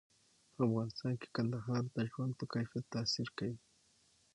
په افغانستان کې کندهار د ژوند په کیفیت تاثیر کوي.